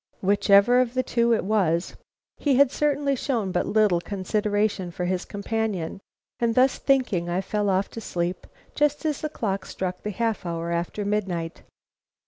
Whichever of the two it was, he had certainly shown but little consideration for his companion, and thus thinking, I fell off to sleep just as the clock struck the half hour after midnight.